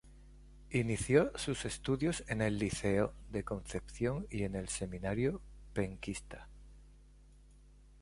Inició sus estudios en el Liceo de Concepción y en el Seminario penquista.